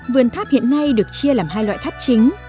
vườn tháp hiện nay được chia làm hai loại tháp chính